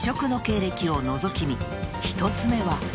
［１つ目は］